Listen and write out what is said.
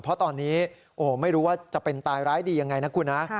เพราะตอนนี้ไม่รู้ว่าจะเป็นตายร้ายดียังไงนะคุณนะ